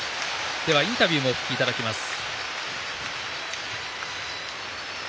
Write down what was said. では、インタビューをお聞きいただきます。